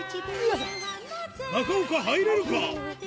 中岡入れるか？